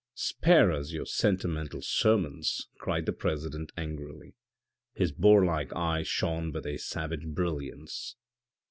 " Spare us your sentimental sermons," cried the president angrily. His boarlike eye shone with a savage brillance.